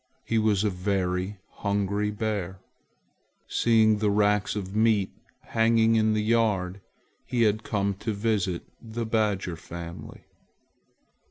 He was a very hungry bear. Seeing the racks of red meat hanging in the yard, he had come to visit the badger family.